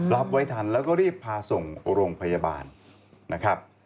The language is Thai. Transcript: รับไว้ทันแล้วก็รีบพาส่งโรงพยาบาลนะครับ